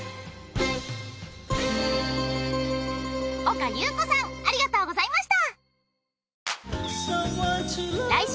岡ゆう子さんありがとうございました。